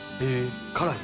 辛い？